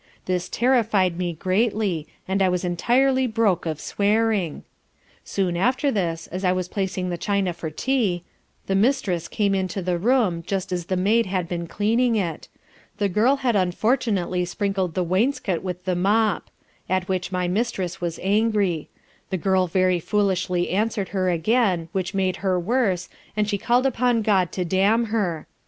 This terrified me greatly, and I was entirely broke of swearing. Soon after this, as I was placing the china for tea, my mistress came into the room just as the maid had been cleaning it; the girl had unfortunately sprinkled the wainscot with the mop; at which my mistress was angry; the girl very foolishly answer'd her again, which made her worse, and she call'd upon God to damn her.